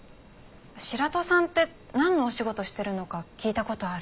白土さんってなんのお仕事してるのか聞いた事ある？